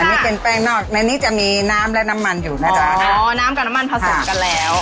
อันนี้เป็นแป้งนอกในนี้จะมีน้ำและน้ำมันอยู่นะจ๊ะอ๋อน้ำกับน้ำมันผสมกันแล้ว